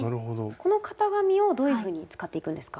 この型紙をどういうふうに使っていくんですか？